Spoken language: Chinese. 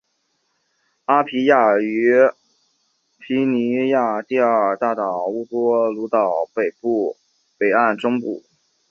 阿皮亚位于萨摩亚第二大岛乌波卢岛的北岸中部。